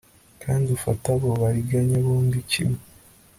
Kandi ufate abo bariganya bombi kimwe